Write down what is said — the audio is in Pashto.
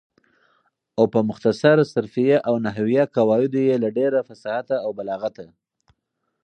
او په مختصر صرفیه او نحویه قواعدو یې له ډېره فصاحته او بلاغته